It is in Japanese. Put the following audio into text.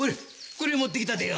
これ持ってきたでよ！